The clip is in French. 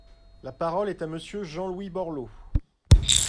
La parole est à Monsieur Jean-Louis Borloo.